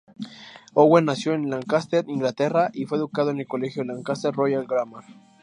Owen nació en Lancaster, Inglaterra y fue educado en el colegio Lancaster Royal Grammar.